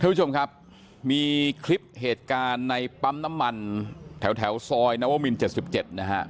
ผู้ชมครับมีคลิปเหตุการณ์ในปั๊มน้ำมันแถวซอยนวมิน๗๗นะฮะ